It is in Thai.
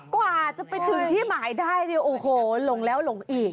กว่าจะไปถึงที่หมายได้เนี่ยโอ้โหหลงแล้วหลงอีก